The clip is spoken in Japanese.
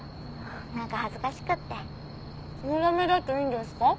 何か恥ずかしくって。のだめだといいんですか？